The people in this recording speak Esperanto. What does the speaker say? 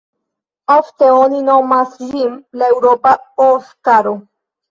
Ofte oni nomas ĝin la "eŭropa Oskaro".